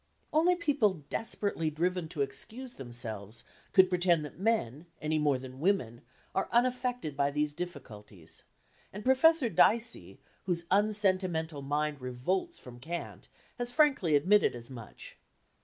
Only people desperately driven to excuse themselves could pretend that men, any more than women, are unaffected by these difficulties, and Professor Dicey, whose unsentimental mind revolts from cant, has frankly admitted as much.